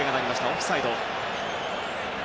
オフサイド。